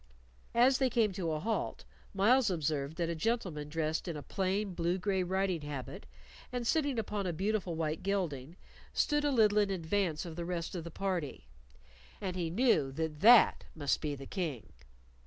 As they came to a halt, Myles observed that a gentleman dressed in a plain blue gray riding habit, and sitting upon a beautiful white gelding, stood a little in advance of the rest of the party, and he knew that that must be the King.